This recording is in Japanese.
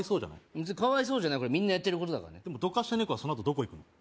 別にかわいそうじゃないこれみんなやってることだからどかした猫はそのあとどこ行くの？